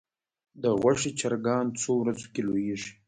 د غوښې چرګان څو ورځو کې لویږي؟